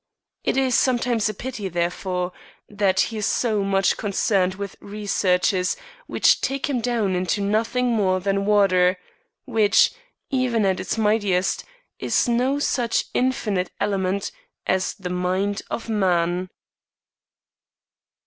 It is sometimes a pity, therefore, that he is so much concerned with researches which take him down into nothing more than water, which, even at its mightiest, is no such infinite element as the mind of man.